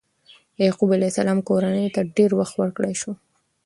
د یعقوب علیه السلام کورنۍ ته ډېر وخت ورکړل شو.